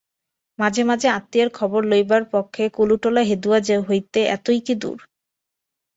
মাঝে মাঝে আত্মীয়ের খবর লইবার পক্ষে কলুটোলা হেদুয়া হইতে এতই কি দূর?